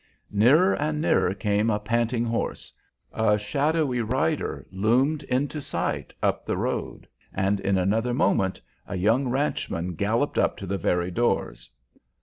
Nearer and nearer came a panting horse; a shadowy rider loomed into sight up the road, and in another moment a young ranchman galloped up to the very doors.